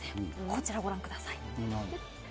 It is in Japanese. こちらをご覧ください。